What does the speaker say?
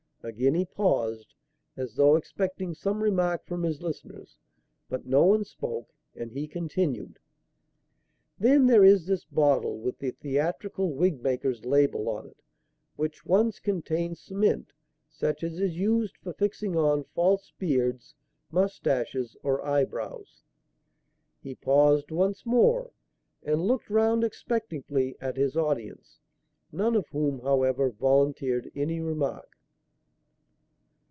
Again he paused, as though expecting some remark from his listeners; but no one spoke, and he continued: "Then there is this bottle with the theatrical wig maker's label on it, which once contained cement such as is used for fixing on false beards, moustaches or eyebrows." He paused once more and looked round expectantly at his audience, none of whom, however, volunteered any remark.